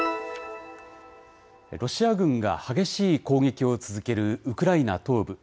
ロシア軍が激しい攻撃を続けるウクライナ東部。